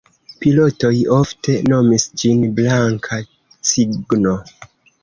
Pilotoj ofte nomis ĝin "Blanka Cigno".